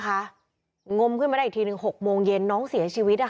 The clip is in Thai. งมขึ้นมาได้อีกทีหนึ่ง๖โมงเย็นน้องเสียชีวิต